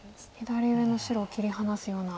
左上の白を切り離すような。